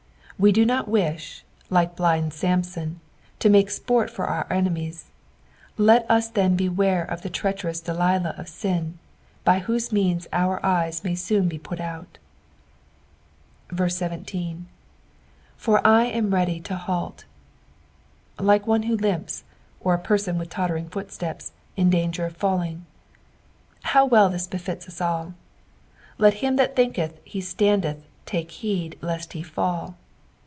We do not wish, like blind Samson, to make sport for our enemies ; let us then beware of the treacherous Delilah of sin, by whoso means our eyes may soon be put out. 17. "For I am ratdy to halt." Like one who limps, or B person with tottering footsteps, in dsnger of falling. How well this befits us all. " Let bin that thinketh he standeth, take heed lest he fall."